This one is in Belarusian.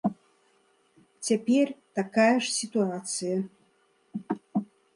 Цяпер такая ж сітуацыя.